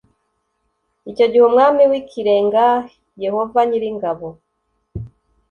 icyo gihe umwami w ikirengah yehova nyir ingabo